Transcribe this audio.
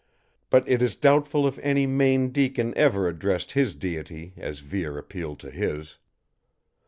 But it is doubtful if any Maine deacon ever addressed his Deity as Vere appealed to his.